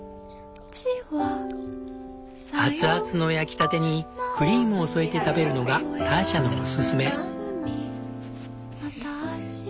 熱々の焼きたてにクリームを添えて食べるのがターシャのおすすめ。